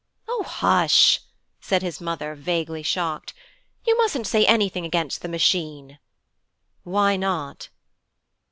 'Oh, hush!' said his mother, vaguely shocked. 'You mustn't say anything against the Machine.' 'Why not?'